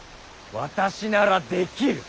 私ならできる。